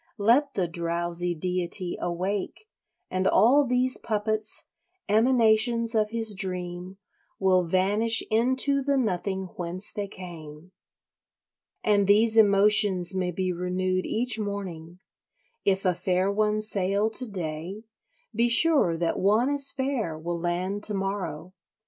Let the drowsy deity awake and all these puppets, emanations of his dream, will vanish into the nothing whence they came. And these emotions may be renewed each morning; if a fair one sail to day, be sure that one as fair will land to morrow.